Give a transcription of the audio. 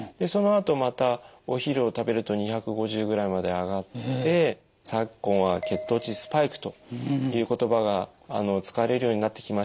そのあとまたお昼を食べると２５０ぐらいまで上がって昨今は血糖値スパイクという言葉が使われるようになってきました。